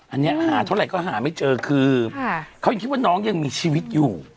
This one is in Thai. อันนี้หาเท่าไหร่ก็หาไม่เจอคือเขายังคิดว่าน้องยังมีชีวิตอยู่